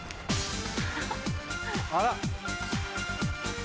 あら。